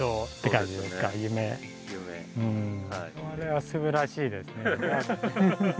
それはすばらしいですね。